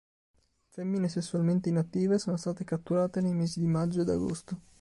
Femmine sessualmente inattive sono state catturate nei mesi di maggio ed agosto.